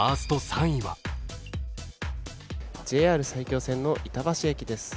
ＪＲ埼京線の板橋駅です。